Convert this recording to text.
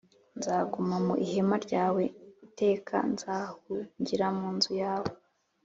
nzaguma mu ihema ryawe iteka nzahungira mu nzu yawe